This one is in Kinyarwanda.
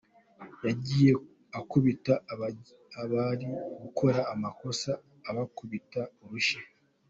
Yagiye akubita abari gukora amakosa, abakubita urushyi.